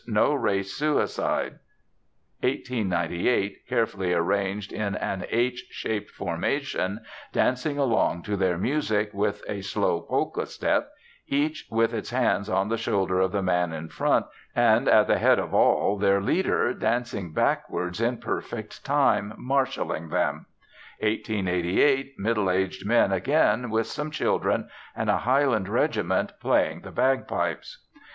No Race Suicide"; 1898, carefully arranged in an H shaped formation, dancing along to their music with a slow polka step, each with his hands on the shoulders of the man in front, and at the head of all their leader, dancing backwards in perfect time, marshalling them; 1888, middle aged men, again with some children, and a Highland regiment playing the bagpipes.